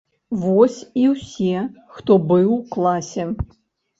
Вось і ўсе, хто быў у класе.